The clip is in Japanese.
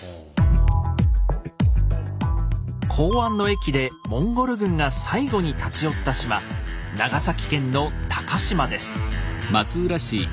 弘安の役でモンゴル軍が最後に立ち寄った島長崎県の鷹島です。